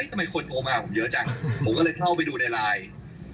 ทำไมคนโทรมาผมเยอะจังผมก็เลยเข้าไปดูในไลน์